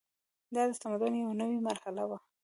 دا د تمدن یوه نوې مرحله وه.